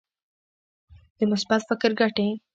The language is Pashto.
د مثبت فکر ګټې.